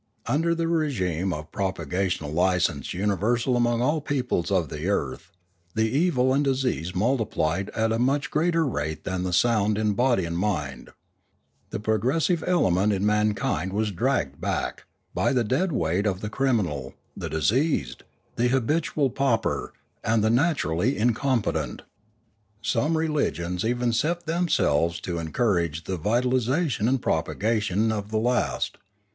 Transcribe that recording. Under the regime of propagational license universal among all peoples of the earth, the evil and diseased multiplied at a much greater rate than the sound in mind and body. The progressive element in mankind was dragged back by the dead weight of the criminal, the diseased, the habitually pauper, and the naturally incompetent. Some religions even set them selves to encourage the vitalisation and propagation of the last.